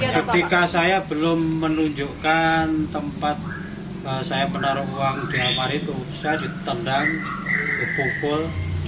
ketika saya belum menunjukkan tempat saya menaruh uang di kamar itu saya ditendang dipukul